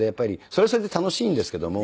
それはそれで楽しいんですけども。